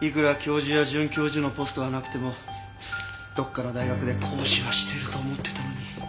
いくら教授や准教授のポストがなくてもどこかの大学で講師はしてると思ってたのに。